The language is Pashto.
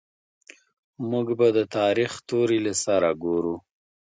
موږ به د تاريخ توري له سره ګورو.